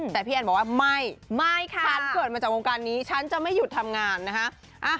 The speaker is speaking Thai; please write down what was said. แต่พี่แอนบอกว่าไม่ค่ะฉันเกิดมาจากวงการนี้ฉันจะไม่หยุดทำงานนะฮะ